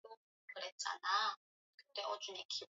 Anaskiza wimbo